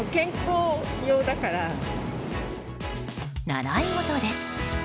習い事です。